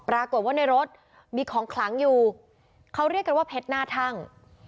ปรากฏว่าในรถมีของขลังอยู่เขาเรียกกันว่าเพชรหน้าทั่ง